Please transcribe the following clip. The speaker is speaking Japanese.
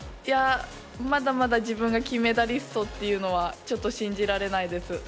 まだまだ自分が金メダリストというのはちょっと信じられないです。